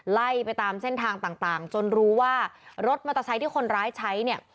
ไล่ไปตามเส้นทางต่างจนรู้ว่ารถมอเตอร์ไซค์ที่คนร้ายใช้เนี่ย